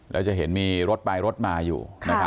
แล้วจะเห็นมีรถไปรถมาอยู่